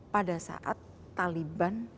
pada saat taliban